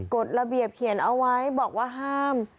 กฎระเบียบเขียนเอาไว้บอกว่าห้าม